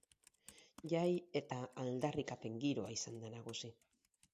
Jai eta aldarrikapen giroa izan da nagusi.